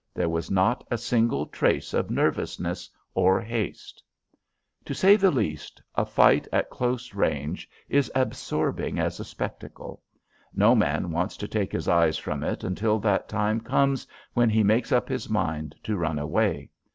There was not a single trace of nervousness or haste. To say the least, a fight at close range is absorbing as a spectacle. No man wants to take his eyes from it until that time comes when he makes up his mind to run away.